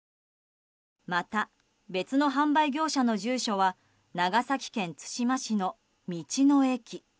また、別の販売業者の住所は長崎県対馬市の道の駅。